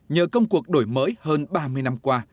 nhờ công cuộc đổi mới hơn ba mươi năm qua